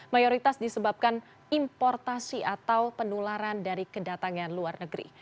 mayoritas disebabkan importasi atau penularan dari kedatangan luar negeri